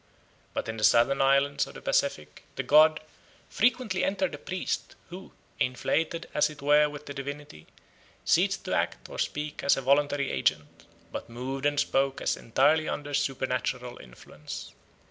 But in the southern islands of the Pacific the god "frequently entered the priest, who, inflated as it were with the divinity, ceased to act or speak as a voluntary agent, but moved and spoke as entirely under supernatural influence.